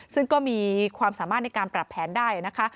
ซึ่งก็มีความสามารถในการปรับแผนได้นะคะ